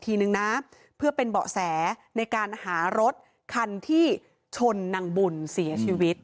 ทีนึงนะเพื่อเป็นเบาะแสในการหารถคันที่ชนนางบุญเสียชีวิต